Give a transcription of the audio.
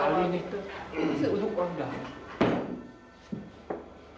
tidak bukan sekali itu untuk orang dalam